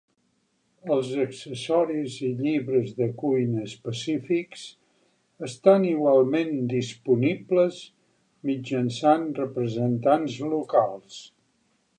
Els accessoris i llibres de cuina específics estan igualment disponibles mitjançant representants locals.